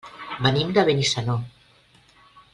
Venim de Benissanó.